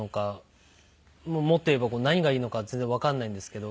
もっと言えば何がいいのか全然わからないんですけど。